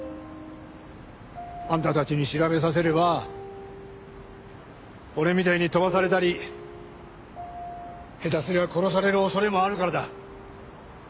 あんたたちに調べさせれば俺みたいに飛ばされたり下手すれば殺される恐れもあるからだ。